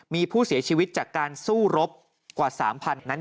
มีผู้เสียชีวิตจากการสู้รบกว่า๓๐๐๐นั้น